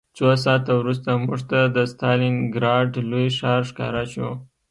څو ساعته وروسته موږ ته د ستالینګراډ لوی ښار ښکاره شو